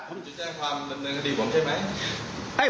คุณจะแจ้งความเหงินในพิวดิของผมถึงไหม